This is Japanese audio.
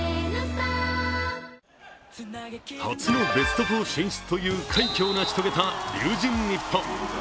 初のベスト４進出という快挙を成し遂げた龍神ＮＩＰＰＯＮ。